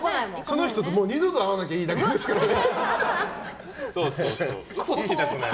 その人と二度と会わなきゃいいだけですからね。